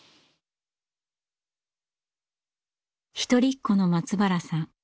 一人っ子の松原さん。